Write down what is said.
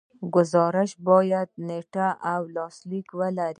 ګزارش باید نیټه او لاسلیک ولري.